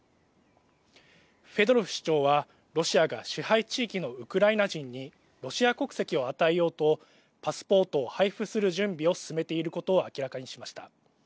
フェドロフ市長はロシアが支配地域のウクライナ人にロシア国籍を与えようとパスポートを配布する準備を進めていることを明らかにしました。